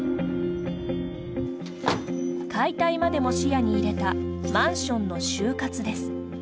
解体までも視野に入れたマンションの終活です。